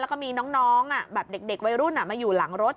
แล้วก็มีน้องแบบเด็กวัยรุ่นมาอยู่หลังรถ